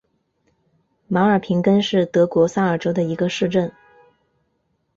马尔平根是德国萨尔州的一个市镇。